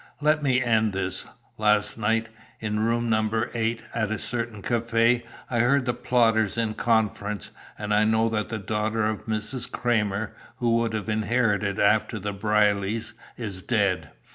"Let me end this. Last night, in room number eight at a certain café, I heard the plotters in conference, and I know that the daughter of Mrs. Cramer, who would have inherited after the Brierlys, is dead.